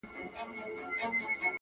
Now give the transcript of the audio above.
o صفت زما مه كوه مړ به مي كړې ـ